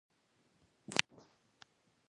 زړه کله خوشحاله وي، کله خفه.